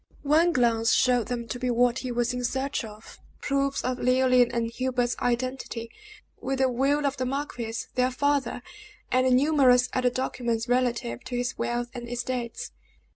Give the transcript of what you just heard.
One glance showed them to be what he was in search of proofs of Leoline and Hubert's identity, with the will of the marquis, their father, and numerous other documents relative to his wealth and estates.